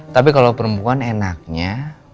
tapi kalau perempuan enaknya